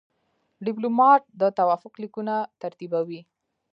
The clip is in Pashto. ډيپلومات د توافق لیکونه ترتیبوي.